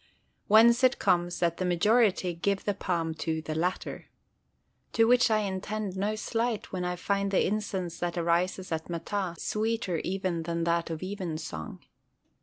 Whence it comes that the majority give the palm to the latter. To which I intend no slight when I find the incense that arises at matins sweeter even than that of evensong.